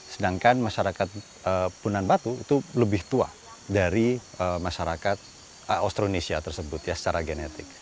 sedangkan masyarakat punan batu itu lebih tua dari masyarakat austronesia tersebut ya secara genetik